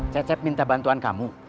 cecep minta bantuan kamu